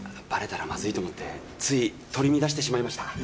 バレたらまずいと思ってつい取り乱してしまいました。